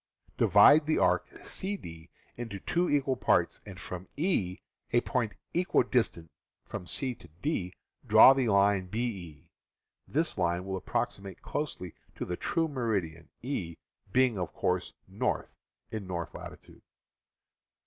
Divide the arc CD into two equal parts, and from E, a point equidistant from C to D, draw the line BE. This line will approximate closely to the true meridian, E being, of course, north, in north latitude.